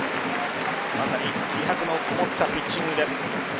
まさに気迫のこもったピッチングです。